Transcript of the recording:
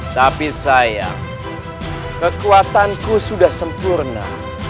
tapi sayang kekuatanku sudah sempurna